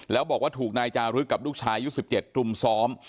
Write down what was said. แล้วบอกว่าถูกนายจารึกกับลูกชายอายุ๑๗รุมซ้อม